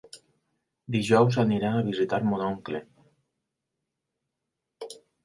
Dijous anirà a visitar mon oncle.